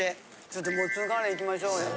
ちょっともつカレーいきましょうよ。